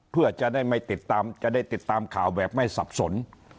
เพื่อจะได้ไม่ติดตามจะได้ติดตามข่าวแบบไม่สับสน